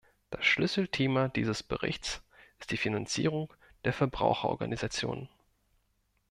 Das Schlüsselthema dieses Berichts ist die Finanzierung der Verbraucherorganisationen.